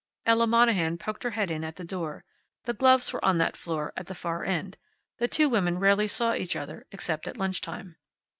Ella Monahan poked her head in at the door. The Gloves were on that floor, at the far end. The two women rarely saw each other, except at lunch time.